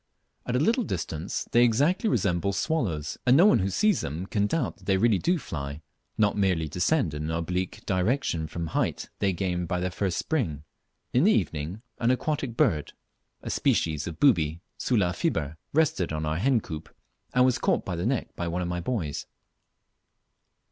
At a little distance they exactly resemble swallows, and no one who sees them can doubt that they really do fly, not merely descend in an oblique direction from the height they gain by their first spring. In the evening an aquatic bird, a species of booby (Sula fiber.) rested on our hen coop, and was caught by the neck by one of my boys.